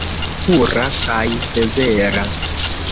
Pura kaj severa.